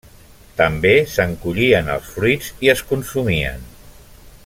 També se'n collien els fruits i es consumien.